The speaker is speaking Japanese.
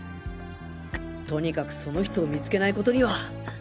とにかくその人を見つけない事には！